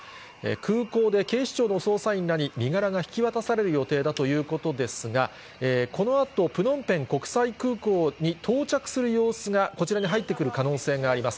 空港で警視庁の捜査員らに身柄が引き渡される予定だということですが、このあと、プノンペン国際空港に到着する様子が、こちらに入ってくる可能性があります。